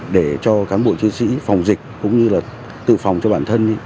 để cho cán bộ chiến sĩ phòng dịch cũng như là tự phòng cho bản thân